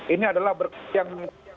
ini adalah berkas yang